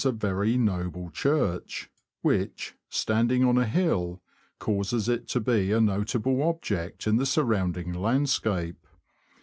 a very noble church, which, standing on a hill, causes it to be a notable object in the surrounding landscape.